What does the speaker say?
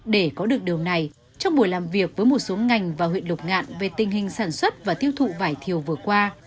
để có được điều này trong buổi làm việc với một số ngành và huyện lục ngạn về tình hình sản xuất và tiêu thụ vải thiều vừa qua